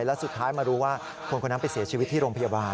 แล้วสุดท้ายมารู้ว่าคนคนนั้นไปเสียชีวิตที่โรงพยาบาล